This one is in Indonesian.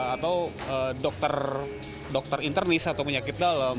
atau dokter internis atau penyakit dalam